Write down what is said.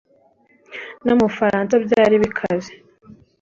mu bufaransa byari bikaze